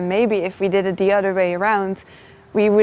mungkin jika kami melakukan hal yang berbeda di sekitar